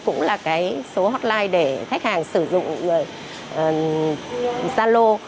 cũng là cái số hotline để khách hàng sử dụng zalo